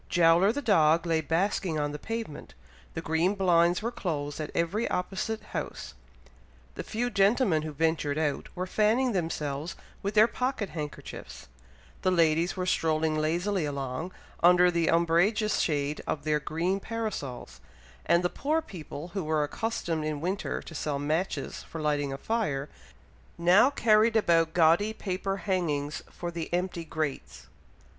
Jowler the dog lay basking on the pavement; the green blinds were closed at every opposite house; the few gentlemen who ventured out, were fanning themselves with their pocket handkerchiefs; the ladies were strolling lazily along, under the umbrageous shade of their green parasols; and the poor people who were accustomed in winter to sell matches for lighting a fire, now carried about gaudy paper hangings for the empty grates.